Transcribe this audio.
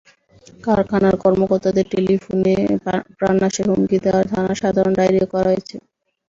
কারখানার কর্মকর্তাদের টেলিফোনে প্রাণনাশের হুমকি দেওয়ায় থানায় সাধারণ ডায়েরিও করা হয়েছে।